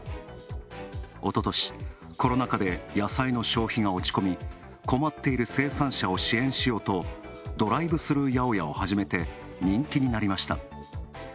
おととし、コロナ禍で野菜の消費が落ち込み、困っている生産者を支援しようとドライブスルー八百屋を始めて人気になりました。